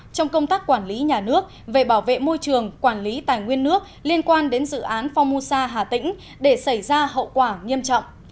trong công tác quản lý nhà nước về bảo vệ môi trường quản lý tài nguyên nước liên quan đến dự án phongmosa hà tĩnh để xảy ra hậu quả nghiêm trọng